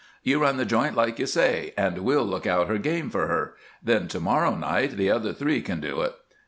"You run the joint like you say, an' we'll lookout her game for her; then to morrow night the other three can do it.